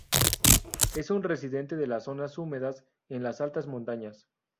Es un residente de las zonas húmedas en las altas montañas.